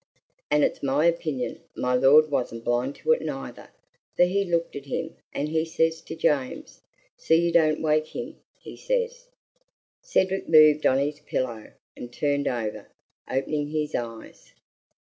An' it's my opinion, my lord wasn't blind to it neither, for he looked at him, and he says to James, 'See you don't wake him!' he says." Cedric moved on his pillow, and turned over, opening his eyes.